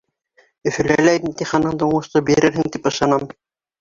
Өфөлә лә имтиханыңды уңышлы бирерһең тип ышанам.